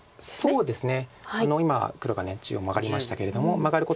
そうですね。